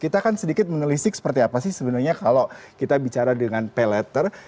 kita akan sedikit menelisik seperti apa sih sebenarnya kalau kita bicara dengan pay letter